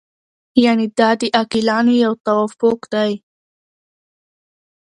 یعنې دا د عاقلانو یو توافق دی.